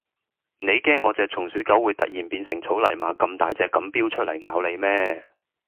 你驚我隻松鼠狗會突然變成草泥馬咁大隻咁標出嚟咬你咩